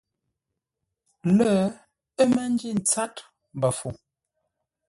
Lə̂, ə́ mə́ ńjí ntsát mbəfəuŋ.